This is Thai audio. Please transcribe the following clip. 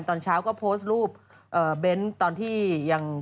ตอนเช้าก็โพสต์รูปเบ้นตอนที่ยัง